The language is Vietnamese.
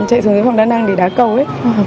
chạy xuống phòng đa năng để đá cầu ấy